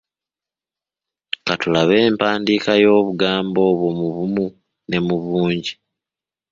Ka tulabe empandiika y’obugambo obwo mu bumu ne mu bungi.